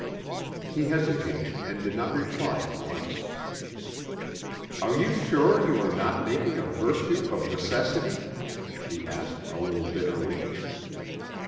He hesitated and did not reply at once. "Are you sure you are not making a virtue of necessity?" she asked a little bitterly.